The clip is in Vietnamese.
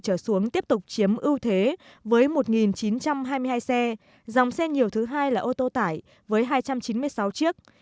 trở xuống tiếp tục chiếm ưu thế với một chín trăm hai mươi hai xe dòng xe nhiều thứ hai là ô tô tải với hai trăm chín mươi sáu chiếc